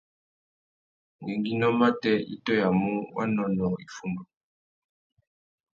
Ngüéngüinô matê i tôyamú wanônōh iffundu.